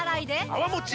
泡もち